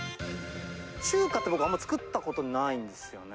中華って、僕、あんまり作ったことないんですよね。